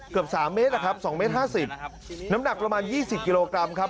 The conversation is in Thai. เกือบ๓เมตรนะครับ๒เมตร๕๐น้ำหนักประมาณ๒๐กิโลกรัมครับ